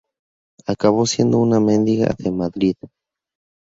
Acabó siendo una mendiga de Madrid.